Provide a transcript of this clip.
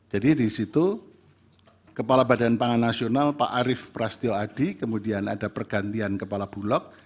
jadi di situ kepala badan tangan nasional pak arief prasetyo adi kemudian ada pergantian kepala bulog